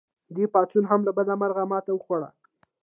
دې پاڅون هم له بده مرغه ماته وخوړه.